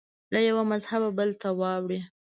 له یوه مذهبه بل ته واوړي